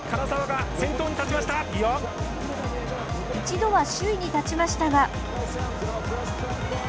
一度は首位に立ちましたが。